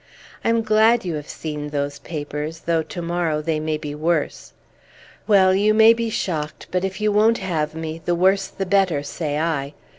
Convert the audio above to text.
I am glad you have seen those papers, though to morrow they may be worse. Well, you may be shocked, but, if you won't have me, the worse the better, say I!